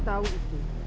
biar tahu itu